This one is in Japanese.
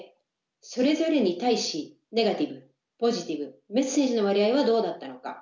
それぞれに対しネガティブポジティブメッセージの割合はどうだったのか？